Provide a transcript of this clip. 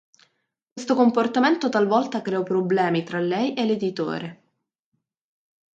Questo comportamento talvolta creò problemi tra lei e l'editore.